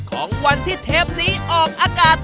ของวันที่เทปนี้ออกอากาศ